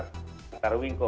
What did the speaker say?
di tenggara winko